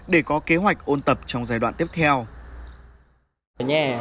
để có kế hoạch ôn tập trong giai đoạn tiếp theo